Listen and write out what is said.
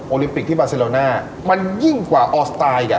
ลิมปิกที่บาเซโลน่ามันยิ่งกว่าออสไตล์อ่ะ